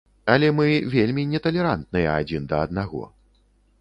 Але мы вельмі неталерантныя адзін да аднаго.